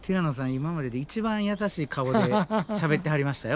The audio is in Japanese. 今までで一番優しい顔でしゃべってはりましたよ